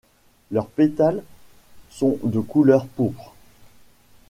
Leurs pétales sont de couleur pourpre.